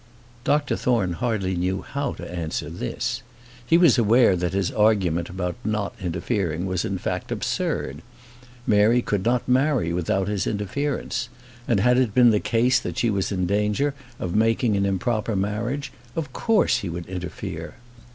Dr Thorne hardly knew how to answer this. He was aware that his argument about not interfering was in fact absurd. Mary could not marry without his interference; and had it been the case that she was in danger of making an improper marriage, of course he would interfere.